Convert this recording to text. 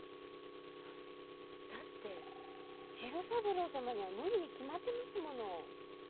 だって次郎三郎様には無理に決まってますもの。